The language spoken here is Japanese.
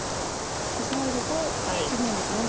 オサえると違うんですね。